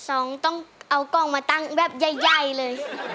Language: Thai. สองต้องเอากล้องมาตั้งแบบใหญ่เลย